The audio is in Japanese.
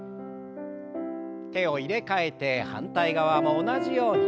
手を入れ替えて反対側も同じように。